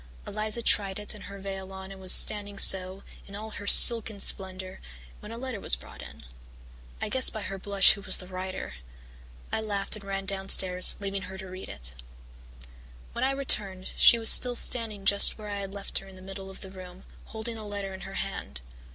Eliza tried it and her veil on and was standing so, in all her silken splendour, when a letter was brought in. I guessed by her blush who was the writer. I laughed and ran downstairs, leaving her to read it. "When I returned she was still standing just where I had left her in the middle of the room, holding the letter in her hand.